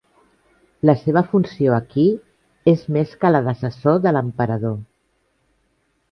La seva funció aquí és més que la d'assessor de l'emperador.